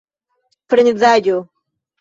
frenezaĵo